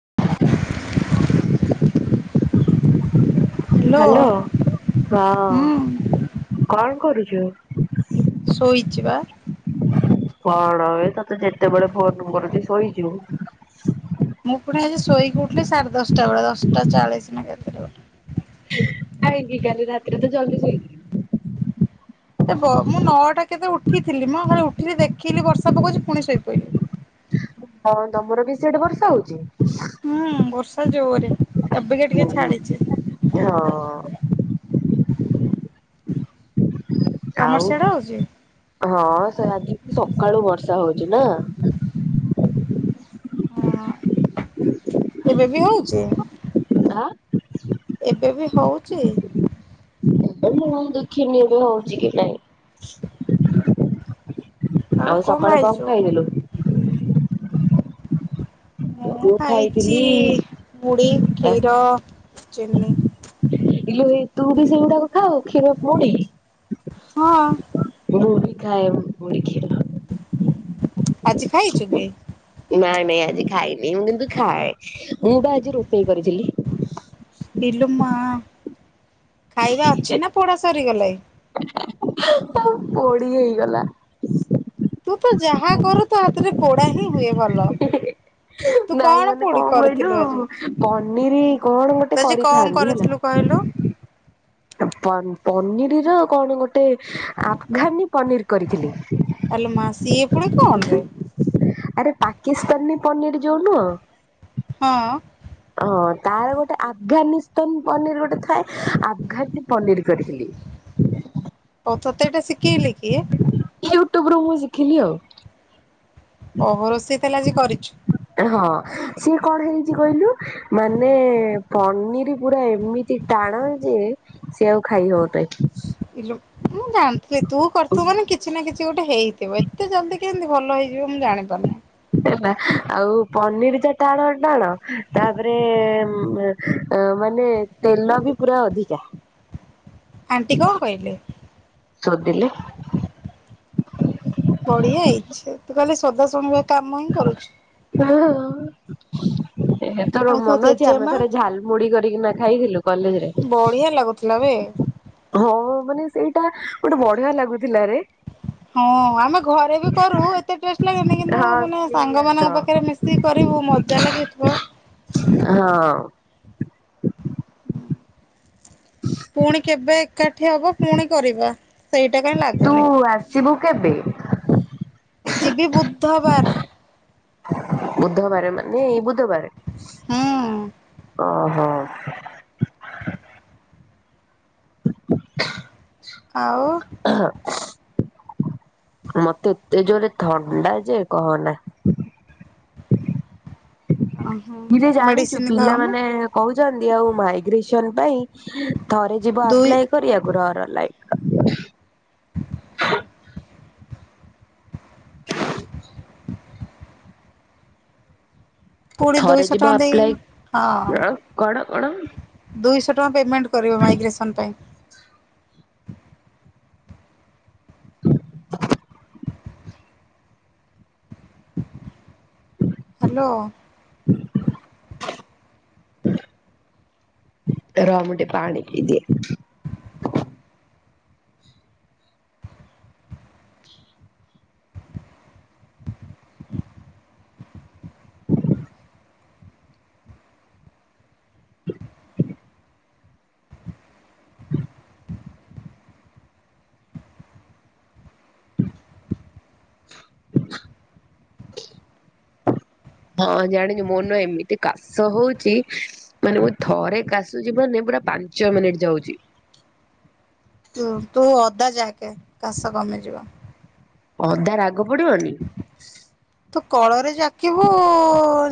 [inaudible] Hello hello ହୁଁ ହଁ କଣ କରୁଚୁ? ଶୋଇଚି ବା । କଣ ଏ ତତେ ଯେତେବେଳେ ଫୋନ କରୁଚି ଶୋଇଚୁ? ମୁଁ ପୁଣି ଆଜି ଶୋଇକି ଉଠିଲି ସାଢେ ଦଶଟା ବେଳେ ଦଶଟା ଚାଳିଶ ନା କେତରେ ଗୋଟେ? ଆଇଙ୍ଗି କାଲି ରାତିରେ ତ ଜଲଦି ଶୋଇଲି । ଏବ ମୁଁ ନଅଟା କେତେ ଉଠିଥିଲି ମ ଗଲି ଉଠିଲି ଦେଖିଲି ବର୍ଷା ପକଉଛି ପୁଣି ଶୋଇପଇିଲି । ହୋଊ ତମର ବି ସେଇଟି ବର୍ଷା ହଉଚି? ହୁଁ ବର୍ଷା ଜୋରେ ଏବେକେ ଟିକେ ଛାଡିଚି । ହଁ । ତମର ଆଉ ସିଆଡେ ହଉଛି? ହଁ ସେ ଆଜି ସକାଳୁ ବର୍ଷା ହଉ ନା । ହଁ ଏବେ ବି ହଉଚି? ହା? ଏବେ ବି ହଉଚି? ମୁ ଦେଖିନି ଏବେ ହଉଚି କି ନାଇଁ । ଆଉ ସକାଳେ କଣ ଖାଇଥିଲୁ? ମୁଁ ଖାଇଚି ମୁଡି କ୍ଷୀର ଚିନି । ଇଲୋ ଏ ତୁବି ସେଇଗୁଡାକ ଖାଅ କ୍ଷୀର ପୁଣି । ହଁ । ମୁଁ ବି ଖାଏ ମୁଢ଼ି କ୍ଷୀର। ଆଜି ଖାଇଚୁ କି? ନାଇଁ ନାଇଁ ଆଜି ଖାଇନି ମୁଁ କିନ୍ତୁ ଖାଏ। ମୁଁ ପା ଆଜି ରୋଷେଇ କରିଥିଲି। ଇଲୋ ମା ଖାଇବା ଅଛି ନା ପୋଡ଼ା ସରିଗଲାଇ? ହ ପୋଡି ହେଇଗଲା । ତୁ ତ ଯାହା କରୁ ତୋ ହାତରେ ପୋଡା ହିଁ ହୁଏ ଭଲ । [inaudible] ନାଇଁ ମାନେ କଣ କହିଲୁ ପନିର କଣ ତୁ ଗୋଟେ ଆଜି କଣ କରିଥାନ୍ତି, ହେଲା। [inaudible] କରିଥିଲୁ କହିଲୁ? ପନ୍ ପନିରୀର କଣ ଗୋଟେ ଆଫଘାନୀ ପନିର କରିଥିଲି । ଆଲୋ ମା ସିଏ ପୁଣି କଣ ରେ? ଆରେ ପାକିସ୍ତାନୀ ପନିର ଯୋଉ ନୁହଁ ହଁ। ହଁ ତାର ଗୋଟେ ଆଫଗାନିସ୍ତାନୀ ପନିର ଗୋଟେ ଥାଏ। ଆଫଗାନୀ ପନିର କରିଥିଲି। [inaudible] ହଉ ତତେ ଏଟା ଶିକେଇଲେ କିଏ? ୟୁଟ୍ୟୁବ ରୁ ମୁଁ ଶିଖିଲି ଆଉ। ଓ ହୋ ରୋଷେଇ ତାହେଲେ ଆଜି କରିଚୁ। ହଁ ସିଏ କଣ ହେଇଛି କହିଲୁ ମାନେ ପନିର ପୁରା ଏମିତି ଟାଣ ହେଇ ଯେ ସେ ଆଉ ଖାଇ ହବ। [unintelligible] ମୁଁ ଜାଣିଥିଲି ତୁ କରିଥିବୁ ମାନେ କିଛି ନା କିଛି ଗୋଟେ ଗୋଟେ ହେଇଥିବ। ଏତେ ଜଲ୍ଦି କେମିତି ଭଲ ହେଇଯିବ ମୁଁ ଜାଣିପାରୁନି। ଆଉ ପନିର ତ ଟାଣ ଟାଣ ତାପରେ ମା ମାନେ ତେଲ ବି ପୁରା ଅଧିକା। ଆଣ୍ଟି କଣ କହିଲେ? ସୋଦିଲେ । ବଢିଆ ହେଇଚି। ତୁ ଖାଲି ସୋଦା ଶୁଣିବା କାମ ହିଁ କରୁଚୁ। ତର ଆଉ ତୋ ମନ ଅଛି ଆମେ ଜେଜେମା? ଥରେ ଝାଲ ମୁଢି କରିକିନା ଖାଇଥିଲୁ। କଲେଜରେ ବଢିଆ ଲାଗୁଥିଲା ବେ । ହଁ ମାନେ ସେଇଟା ଗୋଟେ ବଢିଆ ଲାଗୁଥିଲା ରେ। ହଁ ଆମେ ଘରେ ବି କରୁ ଏତେ ଟେଷ୍ଟ ଲାଗେନି କିନ୍ତୁ ହଁ ମାନେ ସେଇଆ ସାଙ୍ଗ ତ। ମାନଙ୍କ ପାଖରେ ମିଶିକି କରି ଖୁବ୍ ମଜା ଲାଗିଥିବ। ହଁ। ପୁଣି କେବେ ଏକାଠି ହବ ପୁଣି କରିବା। ସେଇ ତୁ ଆସିବୁ କେବେ? ଯିବି ବୁଧବାର । ବୁଧବାର ମାନେ ଏଇ ବୁଧବାର। ହୁଁ ଓହୋ। [inaudible] ଆଉ ମତେ ଏତେ ଜୋରେ ଥଣ୍ଡା ଯେ କହନା! ଓହୋ କିରେ ଜାଣିଚୁ ମେଡିସିନ ଖାଉନୁ ପିଲାମାନେ କହୁଛନ୍ତି ଆଉ ମାଇଗ୍ରେସନ ପାଇଁ ଥରେ ଯିବ ଦୁଇ ଆପ୍ଲାଏ କରିବାକୁ। ର ର ଲାଇନ ରେ [inaudible] ପୁଣି ଥରେ ଦୁଇଶହ ଯିବ ଟଙ୍କା ଦେଇ ଆପ୍ଲଏ, ହଁ କଣ କଣ? ଦୁଇଶହ ଟଙ୍କା ପେମେଣ୍ଟ କରିବ ମାଇଗ୍ରେସନ୍ ପାଇଁ। ହ୍ୟାଲୋ। [inaudible] ରହ ମୁଁ ଟିକେ ପାଣି ପି ଦିଏ। ହ [unintelligible] ହ [unintelligible] ହଁ ଜାଣିଛୁ ମୋନ ଏମିତି କାଶ ହଉଛି ମାନେ ମୁଁ ଥରେ କାଶୁଛି ମାନେ ପୁରା ପାଞ୍ଚ ମିନିଟ ଯାଉଛି। ଉ ତୁ ଅଦା ଯାକେ କାଶ କମିଯିବ। ଅଦା ରାଗ ପଡିବନି। ତୁ କଳରେ ଯାକିବୁ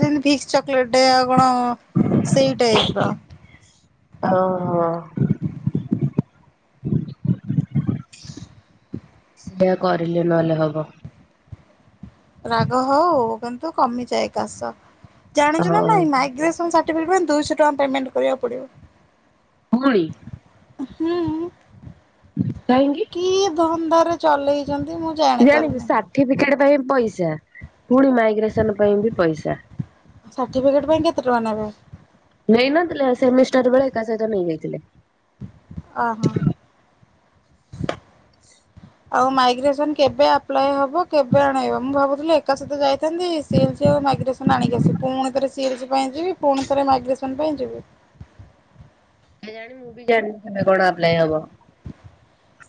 ଯେମତି ଭିକ୍ସ ଚକଲେଟ ଆଉ କଣ। ସେଇ ଟାଇପର। ହଁ ହଁ। ସେଇଆ କରିଲେ ନହେଲେ ହବ। ରାଗ ହଉ କିନ୍ତୁ କମିଯାଏ କାଶ ଜାଣିଛୁ ହଁ ନା ନାଇଁ ମାଇଗ୍ରେସନ ସା [unintelligible] ଦୁଇଶହ ଟଙ୍କା ପେମେଣ୍ଟ କରିବାକୁ ପଡ଼ିବ। ପୁଣି । ହୁଁ। କାଁହିକି? [unintelligible] ରେ ଚଲେଇଛି। ଜାଣିଛୁ ସାର୍ଟିଫିକେଟ ପାଇଁ ପଇସା ପୁଣି ମାଇଗ୍ରେସନ ପାଇଁ ବି ପଇସା। ସାର୍ଟିଫିକେଟ ପାଇଁ କେତେ ଟଙ୍କା ନେବେ? ନେଇନଥିଲେ ସେମିଷ୍ଟାର ବେଳେ ଏକା ସହିତ ନେଇଯାଇଥିଲେ। ଅହୋ। ଆଉ ମାଇଗ୍ରେସନ୍ କେବେ ଆପ୍ଲାଏ ହବ କେବେ ଆଣେଇବ ମୁଁ ଭାବୁଥିଲି ଏକା ସହିତ ଯାଇଥାନ୍ତି ସିଲସି ଆଉ ମାଇଗ୍ରେସନ୍ ଆଣିକି ଆସେ ପୁଣି ଥରେ ସିଏଲସି ପାଇଁ ଯିବି ପୁଣି ଥରେ ମାଇଗ୍ରେସନ ପାଇଁ ଯିବି। କେଜାଣି ମୁଁ ବି ଜାଣିନି ସେଟା କଣ ଆପ୍ଲାଏ ହବ।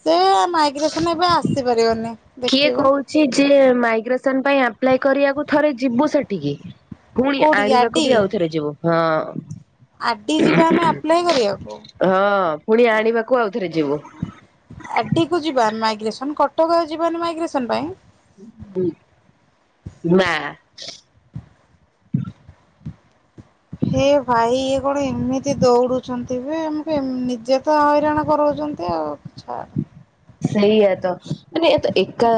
ସେ ମାଇଗ୍ରେସନ୍ ଏବେ ଆସିପାରିବନି। କିଏ ଦେଖିବୁ। କହୁଛି ଯେ ମାଇଗ୍ରେସନ ପାଇଁ ଆପ୍ଲାଏ କରିବାକୁ ଥରେ ଯିବୁ ସେଠିକି। ପୁଣି କୋଉଠିକି ଆଣିବାକୁ ବି ଆଉଥରେ ଯିବୁ ହଁ। ଆଟି ଯିବା ଆମେ ଆପ୍ଲାଏ କରିବାକୁ। ହଁ ପୁଣି ଆଣିବାକୁ ଆଉ ଆର ଟିକୁୁ ଯିବା ମାଇଗ୍ରେସନ୍ କଟକ ଯିବାନି ମାଇଗ୍ରେସନ ପାଇଁ। ଉ ନା। ହେ ଭାଇ ଇଏ କଣ ଏମିତି ଦୌଡୁଛନ୍ତି। ଏବେ ଆମକୁ ଏ ନିଜେ ତ ହଇରାଣ କରଉଛନ୍ତି ଆଉ ଛାଡ଼। ସେଇଆ ତ ମାନେ ଏ-ଏକା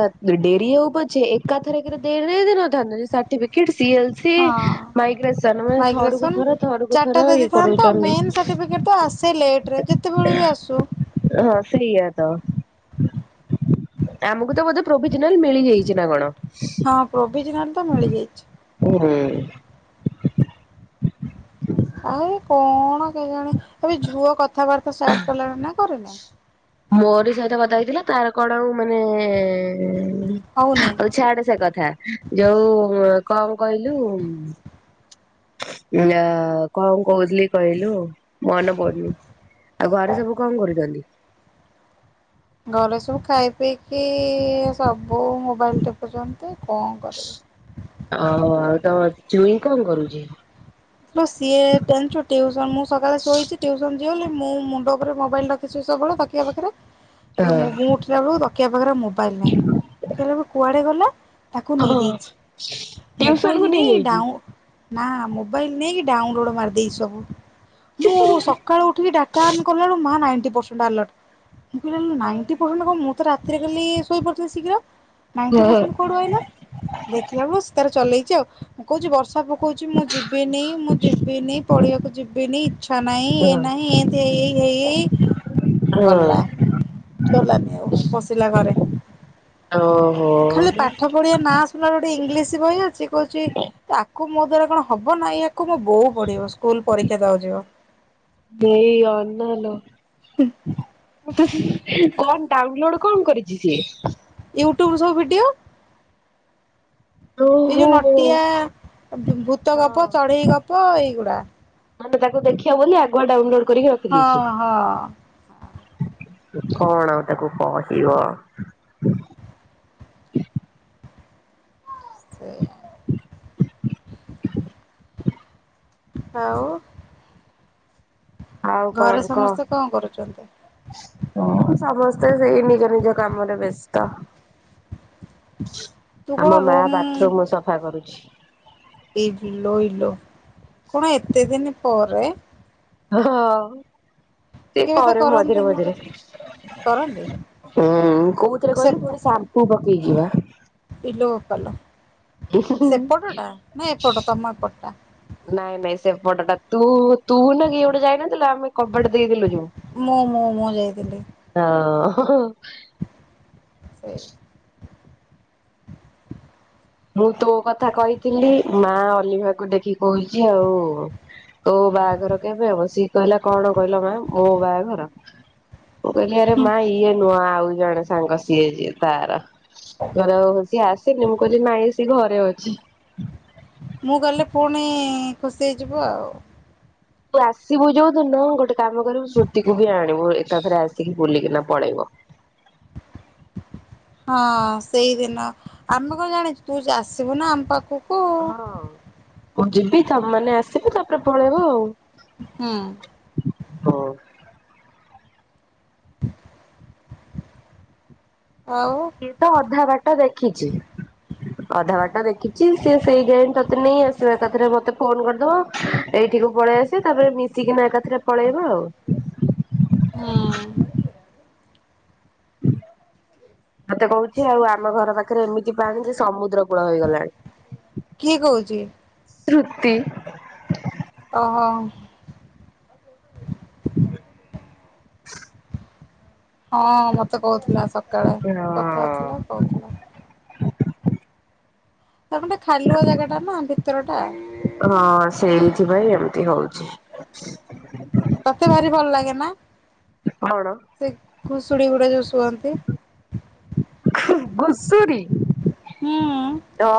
ଡେରି ହୋଉ ପଛେ ଏକାଥରେକେ ଦେଇ ନଥାନ୍ତ। ସର୍ଟିଫିକେଟ୍ ସିଏଲ୍ସି ହଁ ମାଇଗ୍ରେସନ ମାନେ ମାଇଗ୍ରେସନ ଥରକୁ ଥର ଥରକୁ ଚାରିଟା ଥର ଇଏ ଦେଇଦେଇଥାନ୍ତ କରଉଛନ୍ତି। ମେନ୍ ସାର୍ଟିଫିକେଟ ତ ଆସେ ଲେଟରେ ଯେତେବେଳ ବି ଆସୁ। ହଁ ସେଇଆ। ତ ଆମକୁ ତ ବୋଧେ ପ୍ରୋବିଜିନାଲ ମିଳିଯାଇଛି ନା କଣ। ହଁ ପ୍ରୋବିଜିନାଲ୍ ତ ହୁଁ। ମିଳିଯାଇଛି। ଆଉ କଣ କେଜାଣି ତମେ ଝୁଅ କଥାବାର୍ତ୍ତା ଷ୍ଟାର୍ଟ କଲାଣି ନା କରିନି? ମୋରି ସହିତ କଥା ହେଇଥିଲା ତାର କଣ ଆଉ ମାନେ ଏଁ ହଉନି ହଉ ଛଆଡେ ସେ କଥା ଯୋଉ କଣ କହିଲୁ? ଆ କଣ କହୁଥିଲି କହିଲୁ? ମନେ ପଡୁନି ଆଉ ଘରେ ସବୁ କଣ କରୁଛନ୍ତି? ଘରେ ସବୁ ଖାଇ ପିଇକି ସବୁ ମୋବାଇଲ ଦେଖୁଛନ୍ତି। ଆଉ ଆଉ ତମ ଚୁଁଇ କଣ କରୁଛି? ଲୋ ସିଏ ଜାଣିଛୁ ଟିଉସନ ମୁଁ ସକାଳେ ଶୋଇଛି [unintelligible] ମୁଁ ମୁଣ୍ଡ ଉପରେ ମୋବାଇଲ ରଖିଛି ସବୁବେଳେ ତକିଆ ପାଖରେ ମୁଁ ହଁ ମୁଁ ଉଠିଲା ବେଳକୁ ତ ତକିଆ ପାଖରେ ମୋବାଇଲ୍ ନାହିଁ କହିଲେ କୁଆଡ଼େ ଗଲା? ତାକୁ ହଁ ନେଇଯାଇଛି ଟିଉସନ କୁ ମୋବାଇଲରେ ନେଇଯାଇଛି। ଡାଉଁ ନା ମୋବାଇଲ ନେଇକି ଡାଉନଲୋଡ ମାରିଦେଇଚି ସବୁ। ମୁଁ ସକାଳୁ ଉଠିକି ଡାଟା ଅନ କଲାବେଳୁ ମା ନାଇଣ୍ଟୀ ପର୍ସେଣ୍ଟ ଆଲର୍ଟ। ମୁଁ କହିଲି ଆରେ ନାଇଣ୍ଟୀ ପର୍ସେଣ୍ଟ କଣ? ମୁଁ ତ ରାତିରେ କାଲି ଶୋଇପଡିଥିଲି ଶୀଘ୍ର। ନାଇଣ୍ଟୀ ପର୍ସେଣ୍ଟ କୋଉଠୁ ଆଇଲା? ଦେଖିଲା ବେଳୁ ସେ ତାର ଚଲେଇଛି ଆଉ ମୁଁ କହୁଛି ବର୍ଷା କହୁଛି ମୁଁ ଯି ଇ ମୁଁ ଯିବିନି ପଢିବାକୁ ଯିବିନି ଇଚ୍ଛା ନାହିଁ ଏ ହଁ ନାହିଁ ଏମିତି ହେଇ ହେଇ ହେଇ ହେଇ। ଗଲା ଗଲାନି ଆଉ ବସିଲା ଘରେ। ଓହୋ ଖାଲି ପାଠ ପଢ଼ିବା ନା ଶୁଣିଲା ଗୋଟେ ଇଂଲିଶି ବହି ଅଛି କହୁଛି ଆକୁ ମୋ ଦ୍ଵାରା କଣ ହବ ନା ଏ ଆକୁ ମୋ ବୋଉ ପଢିବ। ସ୍କୁଲ ପରୀକ୍ଷା ଦବାକୁ ଯିବ ଦେଇ ଆଲୋ ଆଲୋ। ଉଁ ତ ହୁଁ କଣ ଡାଉନଲୋଡ କଣ କରିଛି ସିଏ? ୟୁଟ୍ୟୁବ ସବୁ ଭିଡ଼ିଓ। ଏଇ ଓହୋ ଯୋଉ ନଟିଆ ଅ ଭୁ-ଭୂତଗପ ଚଢେଇ ଗପ ଏଇଗୁଡ଼ା। ମାନେ ତାକୁ ଦେଖିବ ବୋଲି ଆଗୁଆ ଡାଉନଲୋଡ କରିକି ହଁ ହଁ ରଖିଦେଇଛି। କଣ ଆଉ ତାକୁ କହିବ? ସେୟା। ଆଉ। ଆଉ ଘରେ କଣ କହ? ସମସ୍ତେ କଣ କରୁଛନ୍ତି ହୁଁ ସମସ୍ତେ ସେଇ ନିଜ ନିଜ କାମରେ ବ୍ୟସ୍ତ। ତୁ କଣ ଆମ ମା ରୁମ୍ ବାଥରୁମୁ ସଫା କରୁଛି। ଇଲୋ ଇଲୋ କଣ ଏତେ ଦିନ ପରେ? ନହେଲେ ତ ସେ କେବେ ତ କରେ ମଝିରେ କରନ୍ତିନି ମଝିରେ। କିଛି କରନ୍ତି ହୁଁ କୋଉଥିରେ ସେ କହିଲୁ ପୁଣି ସାମ୍ପୁ ପକେଇଚି ପା। ଇଲୋ ବୋପାଲୋ ସେପଟ ଟା ନା ଏପଟ ତମ ଏପଟଟା? ନାଇଁ ନାଇଁ ସେପଟଟା ତୁ ତୁ ନୁହ କି ଗୋଟେ ଯାଇନନ। ଥିଲା ଆମେ କବାଟ ଦେଇଦେଲୁ ଯଉ ମୁଁ ମୁଁ ମୁଁ ହଁ ହଁ ହଁ। ସେଇ। ମୁଁ ତୋ କଥା କହିଥିଲି ମା ଅଲିଭାକୁ ଦେଖିକି କହୁଛି ଆଉ। ତୋ ବାହାଘର କେବେ ହବ ସିଏ କହିଲା କଣ କହିଲ ମା ମୋ ବାହାଘର? ମୁଁ କହିଲି ଆରେ ହୁଁ। ମା ଇଏ ନୁହ ଆଉ। ଜଣେ ସାଙ୍ଗ ସିଏ ଯିଏ ତାର ଓହୋ ହଉ ସିଏ ଆସୁନି ମୁଁ କହି ଲି ନାଇଁ ସେ ଘରେ ଅଛି। ମୁଁ ଗଲେ ପୁଣି ଖୁସି ହେଇଯିବୁ ଆଉ। ତୁ ଆସିବୁ ଯୋଉ ତୁ ନୁହ ଗୋଟେ କାମ କରିବୁ ଶ୍ରୁତିକୁ ବି ଆଣିବୁ ଏକାଥରେ ଆସିକି ବୁଲିକିନା ପଳେଇବ। [unintelligible] [inaudible] ହଁ ସେଇଦିନ ଆମେ କଣ ଜାଣିଛୁ ତୁ ଯା ଆସିବୁ ନା ଆମ ପାଖୁ ହଁ ମୁଁ ଯିବି ତମ ମାନେ ଆସିବି ତାପରେ ପଳେଇବ ଆଉ। ହୁଁ। ହଁ ହ [unintelligible] ସିଏ ତ ଅଧା ବାଟା ଦେଖିଛି। ଅଧା ବାଟ ଦେଖିଛି ସିଏ ସେଇ ଯାଏଁ ତତେ ନେଇ ଆସିବ ଏକାଥରେ ମତେ ଫୋନ କରିଦବ ଏଇ ଠିକୁ ପଳେଇ ଆସିବା ତାପରେ ମିଶିକିନା ଏକା ଥରେ ପଳେଇବ ଆଉ। ହୁଁ ମତେ କହୁଛି ଆଉ ଆମ ଘର ପାଖରେ ଏମିତି ପାଣି ଯେ ସମୁଦ୍ର କୂଳ ହେଇଗଲାଣି। କିଏ କହୁଛି? ଶୁତି। ଓହୋ। ହ [unintelligible] ହଁ ମୋତେ କହୁଥିଲା ସକାଳେ କଥା ହଁ। ହଉଥିଲା କହୁଥିଲା। [unintelligible] [inaudible] ତା ଗୋଟେ ଖାଲୁଆ ଜାଗା ଟା ନା ଭିତର ଟା ହଁ ସେଇଥିପାଇଁ ଏମିତି ହଉ [unintelligible] [inaudible] ତୋତେ ଭାରି ଭଲ ଲାଗେ ନା? କଣ? କୁଶୁଡି ଗୁଡା ଯୋଉ ଶୁଅନ୍ତି। ଘଷୁରୀ? ହୁଁ ତ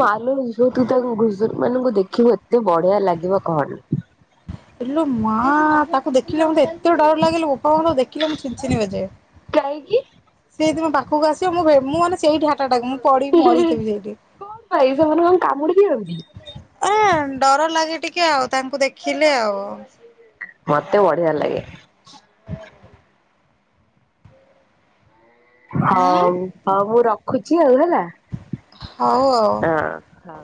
ମାଲୁ ତୁ ତୋ ଗୁ- ଘୁଷୁରୀ ମାନଙ୍କୁ ଦେ ଖିବୁ ଏତେ ବଢିଆ ଲାଗିବ କହନି। ଇଲୋ ମା ତାକୁ ଦେଖିଲେ ମୋତେ ଏତେ ଡର ଲାଗେଲ ବୋ ଫୋନ୍ ଦେଖିଲେ ମୁଁ ଛିନ୍ ଛିନ୍ ହଯାଏ। କାହିଁକି ସିଏ ଯଦି ମୋ ବା ପାଖୁକୁ ଆସିବ ମୁଁ ଭେ ମୁଁ ମାନେ ସେଇଠି ହାଟାଟାକ୍ ମୁଁ ପଡ଼ି ମରିଥବି ସେଇଠି। କଣ ପାଇଁ ସେମାନେ କଣ କାମୁଡି ଦିଅନ୍ତି ଏ ଡର ଲାଗେ ଟିକେ ଆଉ ତାଙ୍କୁ ଦେଖିଲେ ଆଉ। ମୋତେ ବଢିଆ ଲାଗେ। ଉଁ ହ‌ଉ ହ‌ଉ ମୁଁ ରଖୁଛି ଆଉ ହେଲା। ହଉ ଆଉ। ହଁ।